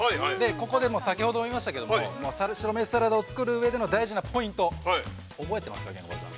ここで、先ほども言いましたけれども白飯サラダを作る上での大事なポイント。覚えてますか、ケンコバさん。